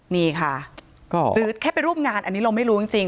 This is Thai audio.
นี่ค่ะหรือแค่ไปร่วมงานอันนี้เราไม่รู้จริง